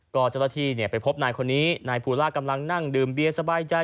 ก็เจ้าหน้าที่ไปพบนายคนนี้นายภูล่ากำลังนั่งดื่มเบียร์สบายใจ